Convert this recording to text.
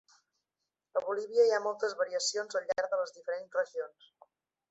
A Bolívia, hi ha moltes variacions al llarg de les diferents regions.